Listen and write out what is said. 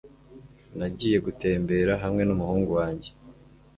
nagiye gutembera hamwe n'umuhungu wanjye